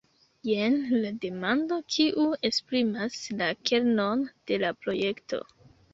Jen la demando kiu esprimas la kernon de la projekto.